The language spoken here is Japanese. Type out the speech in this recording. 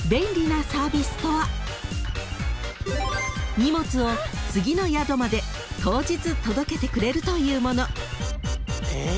［荷物を次の宿まで当日届けてくれるというもの］